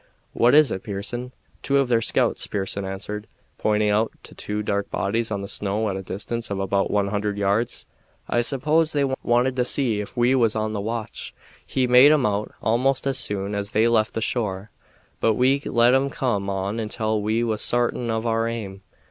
"What is it, Pearson?" "Two of their scouts," Pearson answered, pointing to two dark bodies on the snow at a distance of about one hundred yards. "I suppose they wanted to see ef we was on the watch. We made 'em out almost as soon as they left the shore, but we let 'em come on until we was sartin of our aim.